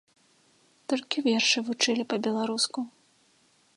Толькі вершы вучылі па-беларуску.